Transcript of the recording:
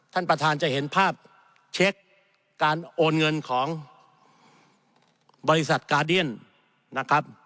ท่านประธานจะเห็นภาพเช็คการโอนเงินของบริษัทกาเดียนนะครับ